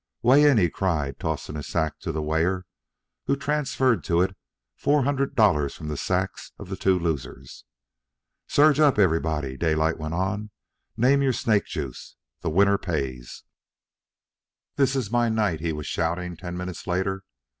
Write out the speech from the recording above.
"Weigh in!" he cried, tossing his sack to the weigher, who transferred to it four hundred dollars from the sacks of the two losers. "Surge up, everybody!" Daylight went on. "Name your snake juice! The winner pays!" "This is my night!" he was shouting, ten minutes later.